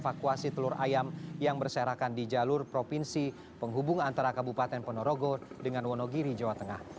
pembeli beli yang diperkenalkan di jalur provinsi penghubung antara kabupaten ponorogo dengan wonogiri jawa tengah